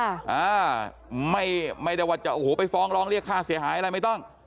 อ่าไม่ไม่ได้ว่าจะโอ้โหไปฟ้องร้องเรียกค่าเสียหายอะไรไม่ต้อง